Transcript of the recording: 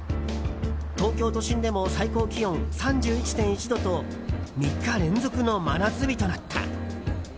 東京都心でも最高気温３１．１度と３日連続の真夏日となった。